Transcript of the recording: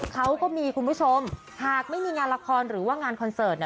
เขาก็มีคุณผู้ชมหากไม่มีงานละครหรือว่างานคอนเสิร์ต